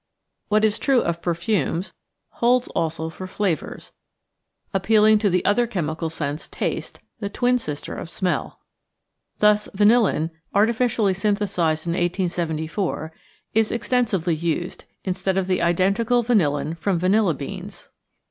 What is true of perfumes holds also for flavours appealing to the other chemical sense, taste, the twin sister of smell. Thus vanillin, artificially synthesised in 1874, is extensively used, in stead of the identical vanillin from vanilla beans.